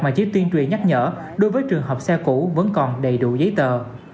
mà chỉ tuyên truyền nhắc nhở đối với trường hợp xe cũ vẫn còn đầy đủ giấy tờ